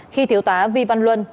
khi thiếu tá vi văn luân